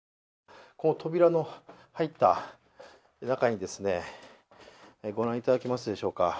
この扉の入った中にですね、ご覧いただけますでしょうか